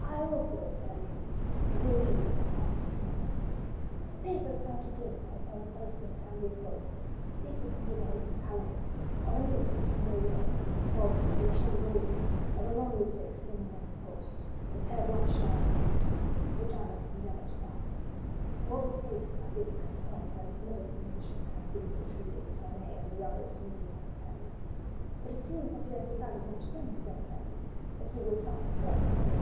"I also, fair lady, will leave for France to morrow. The papers found at Dover upon the person of Sir Andrew Ffoulkes speak of the neighbourhood of Calais, of an inn which I know well, called 'Le Chat Gris,' of a lonely place somewhere on the coast—the Père Blanchard's hut—which I must endeavour to find. All these places are given as the point where this meddlesome Englishman has bidden the traitor de Tournay and others to meet his emissaries. But it seems that he has decided not to send his emissaries, that 'he will start himself to morrow.